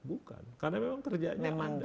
bukan karena memang kerjanya banyak memang